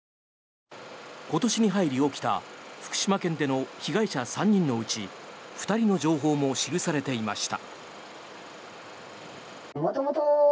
今年に入り起きた福島県での被害者３人のうち２人の情報も記されていました。